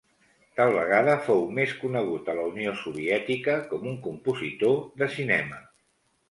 Tal vegada fou més conegut a la Unió Soviètica com un compositor de cinema.